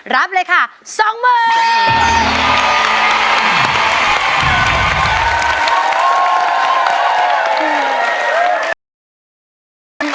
รับเลยค่ะ๒มื้อ